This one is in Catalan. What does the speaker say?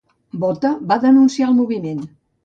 Botha va denunciar el moviment.